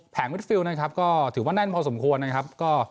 แผงวิทธิฟิลนะครับก็ถือว่าแน่นพอสมควรนะครับก็